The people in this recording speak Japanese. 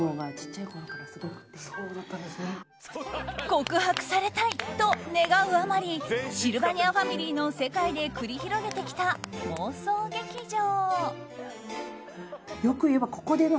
告白されたいと願うあまりシルバニアファミリーの世界で繰り広げてきた妄想劇場。